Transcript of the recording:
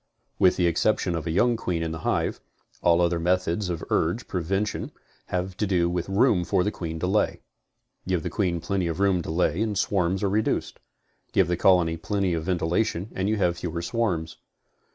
With the exception of a young queen in the hive, all other methods of urge prevention have to do with room for the queen to lay. Give the queen plenty of room to lay and swarms are reduced. Give the colony plenty of ventilation and you have fewer swarms.